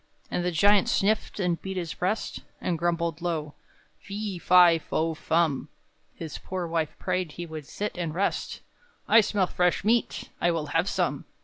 And the Giant sniffed, and beat his breast, And grumbled low, "Fe, fi, fo, fum!" His poor wife prayed he would sit and rest, "I smell fresh meat! I will have some!"